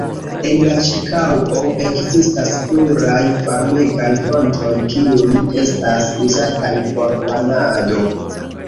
En la ĉirkaŭo ekzistas pluraj varmegaj fontoj, kiuj estas uzataj por banado.